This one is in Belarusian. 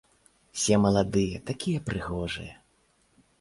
Усе маладыя, такія прыгожыя.